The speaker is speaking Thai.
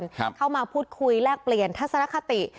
เข้ามาพูดคุยแลกเปลี่ยนทัศนคติ